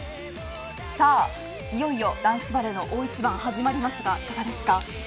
いよいよ男子バレーの大一番始まりますね、いかがですか。